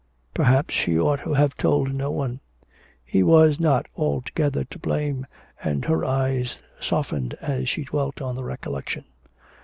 Perhaps she ought to have told no one. He was not altogether to blame, and her eyes softened as she dwelt on the recollection....